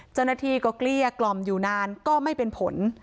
เจ้าหน้าที่ก็เกลี้ยกล่อมอยู่นานก็ไม่เป็นผล